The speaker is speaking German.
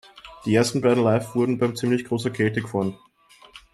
Die ersten beiden Läufe wurden bei ziemlich großer Kälte gefahren.